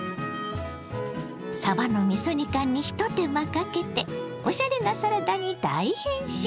さばのみそ煮缶にひと手間かけておしゃれなサラダに大変身！